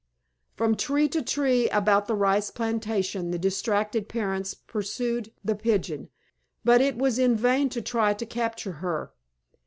From tree to tree about the rice plantation the distracted parents pursued the Pigeon; but it was in vain to try to capture her.